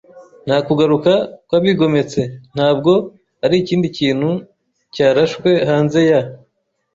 Nta kugaruka kwabigometse - ntabwo arikindi kintu cyarashwe hanze ya